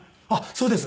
そうです。